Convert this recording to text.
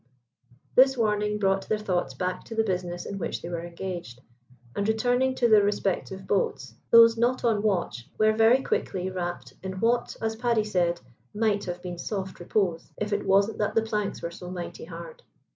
This warning brought their thoughts back to the business in which they were engaged, and, returning to their respective boats, those not on watch were very quickly wrapped in what, as Paddy said, "might have been `soft repose,' if it wasn't that the planks were so mighty hard."